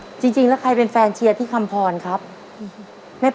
ครอบครัวจะส่งใครมาเป็นตัวแทนในเกมนี้ครับคุณแม่เลยค่ะคุณแม่